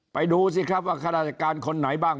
ดูสิครับว่าข้าราชการคนไหนบ้าง